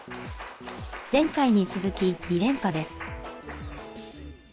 前回に続き、２連覇です。